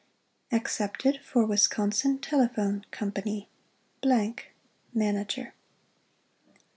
Accepted for Wisconsin Telephone Company: Manager.